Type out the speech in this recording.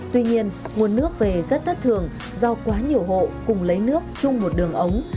tuy nhiên nguồn nước về rất thất thường do quá nhiều hộ cùng lấy nước chung một đường ống